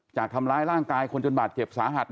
จากทำร้ายร่างกายคนจนบาดเจ็บสาหัส